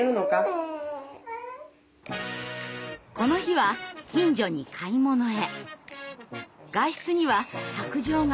この日は近所に買い物へ。